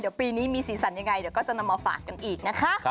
เดี๋ยวปีนี้มีสีสันยังไงเดี๋ยวก็จะนำมาฝากกันอีกนะคะ